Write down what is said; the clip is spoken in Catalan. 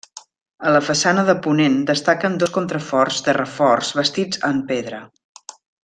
A la façana de ponent destaquen dos contraforts de reforç bastits en pedra.